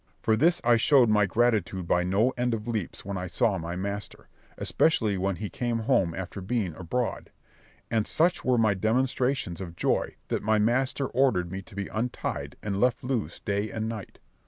For this I showed my gratitude by no end of leaps when I saw my master, especially when he came home after being abroad; and such were my demonstrations of joy that my master ordered me to be untied, and left loose day and night.